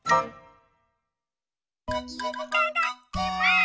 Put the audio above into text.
いただきます！